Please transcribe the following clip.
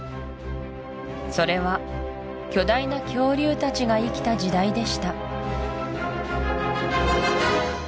それは巨大な恐竜たちが生きた時代でした